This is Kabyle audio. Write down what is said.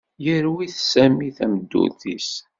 Yerwi Sami tameddurt-is.